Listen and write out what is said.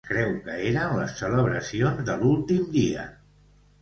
Com es creu que eren les celebracions de l'últim dia?